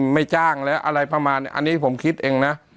ไม่จ้างแล้วอะไรประมาณอันนี้ผมคิดเองนะ